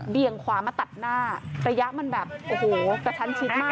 ขวามาตัดหน้าระยะมันแบบโอ้โหกระชั้นชิดมาก